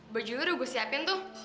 oh rek bajunya udah gue siapin tuh